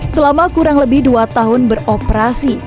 selama kurang lebih dua tahun beroperasi